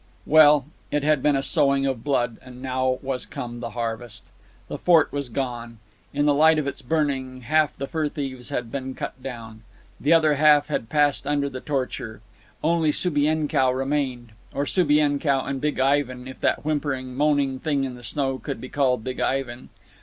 Well, it had been a sowing of blood, and now was come the harvest. The fort was gone. In the light of its burning, half the fur thieves had been cut down. The other half had passed under the torture. Only Subienkow remained, or Subienkow and Big Ivan, if that whimpering, moaning thing in the snow could be called Big Ivan.